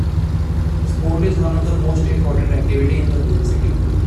Sport is one of the most important activity in a whole city.